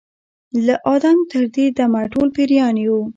له آدمه تر دې دمه ټول پیران یو